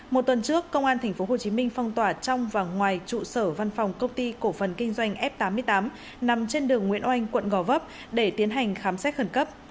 một tuần trước công an thành phố hồ chí minh phong tỏa trong và ngoài trụ sở văn phòng công ty cổ phần kinh doanh f tám mươi tám nằm trên đường nguyễn oanh quận gò vấp để tiến hành khám xét khẩn cấp